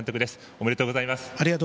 ありがとうございます。